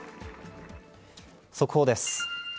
速報です。